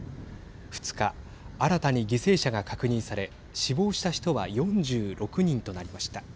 ２日、新たに犠牲者が確認され死亡した人は４６人となりました。